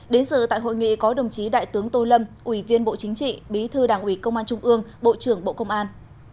đến sự tại hội nghị có đồng chí đại tướng tô lâm ủy viên bộ chính trị bí thư đảng ủy công an trung ương bộ trưởng bộ công an